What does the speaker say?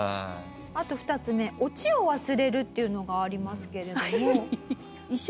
あと２つ目オチを忘れるっていうのがありますけれども。